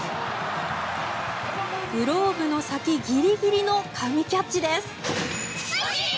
グローブの先ギリギリの神キャッチです。